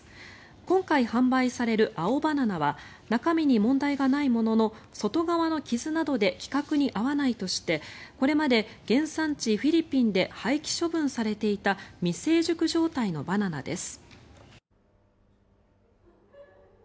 今回販売される青バナナは中身に問題がないものの外側の傷などで規格に合わないとしてこれまで原産地フィリピンで廃棄処分されていた未成熟状態のバナナです。